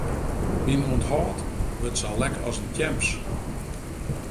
Myn ûnthâld wurdt sa lek as in tjems.